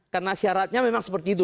karena syaratnya memang seperti itu